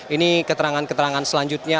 ini keterangan keterangan selanjutnya